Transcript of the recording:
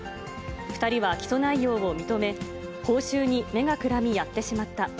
２人は起訴内容を認め、報酬に目がくらみやってしまった。